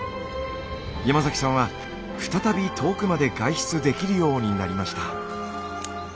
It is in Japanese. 山さんは再び遠くまで外出できるようになりました。